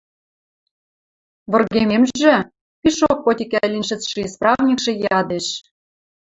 – Выргемемжӹ? – пишок потикӓ лин шӹцшӹ исправникшӹ ядеш.